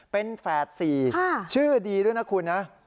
เป็นแฝด๔ชื่อดีด้วยนะคุณนะ